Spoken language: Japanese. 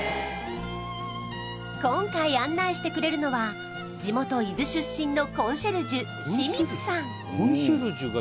今回案内してくれるのは地元伊豆出身のコンシェルジュ清水さん